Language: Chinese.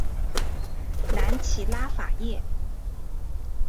南起拉法叶。